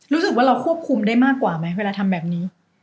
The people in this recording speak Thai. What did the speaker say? รู้สึกว่าเราควบคุมได้มากกว่าไหมเวลาทำแบบนี้